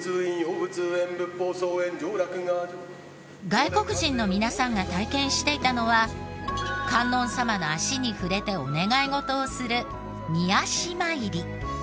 外国人の皆さんが体験していたのは観音様の足に触れてお願い事をする御足参り。